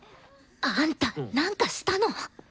あんたなんかしたの？